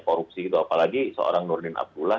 korupsi gitu apalagi seorang nurdin abdullah